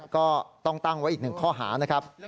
ก็ต้องตั้งไว้อีกหนึ่งข้อหานะครับ